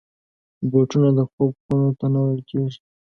بوټونه د خوب خونو ته نه وړل کېږي.